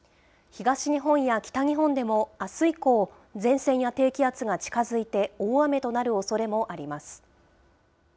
東日本や北日本でもあす以降、前線や低気圧が近づいて、大雨となるおそれもあります。